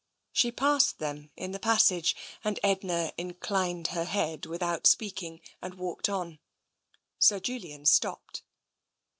She passed them in the passage, and Edna inclined her head without speaking, and walked on. Sir Julian stopped.